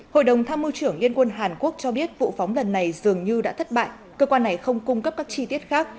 hội đồng tham mưu trưởng liên quân hàn quốc cho biết vụ phóng lần này dường như đã thất bại cơ quan này không cung cấp các chi tiết khác